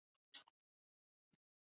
هغوی په خوږ مینه کې پر بل باندې ژمن شول.